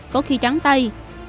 có khi trắng tay